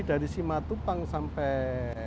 dari simatupang sampai